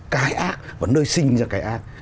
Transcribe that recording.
cái ác và nơi sinh ra cái ác